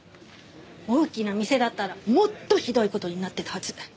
大きな店だったらもっとひどい事になってたはず。